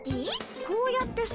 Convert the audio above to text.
こうやってさ。